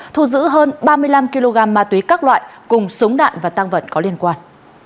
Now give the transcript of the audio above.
thu giữ hơn ba mươi năm kg ma túy các loại cùng súng đạn và tăng vật có liên quan